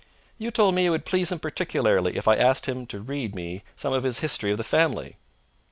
"You told me it would please him particularly if I asked him to read me some of his history of the family."